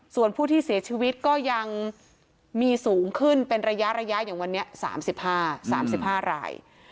ส่วนผู้ที่เสียชีวิตก็ยังมีสูงขึ้นเป็นระยะอย่างวันนี้๓๕๓๕ราย